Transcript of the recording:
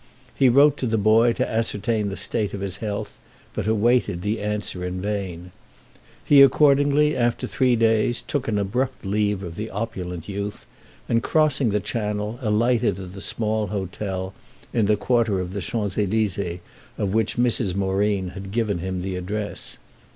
He wrote to the boy to ascertain the state of his health, but awaited the answer in vain. He accordingly, after three days, took an abrupt leave of the opulent youth and, crossing the Channel, alighted at the small hotel, in the quarter of the Champs Elysées, of which Mrs. Moreen had given him the address.